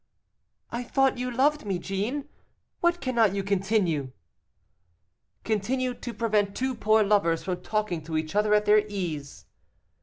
"I thought you loved me, Jeanne. What cannot you continue?" "Continue to prevent two poor lovers from talking to each other at their ease."